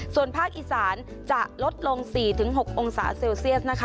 ส่วนภาคอีสานจะลดลง๔๖องศาเซลเซียสนะคะ